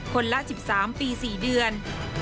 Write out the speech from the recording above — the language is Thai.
คนละ๑๓ปี๔เดือน